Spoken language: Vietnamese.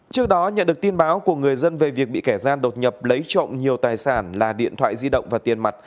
trước đó nhận được tin báo của người dân về việc bị kẻ gian đột nhập lấy trộm nhiều tài sản là điện thoại di động và tiền mặt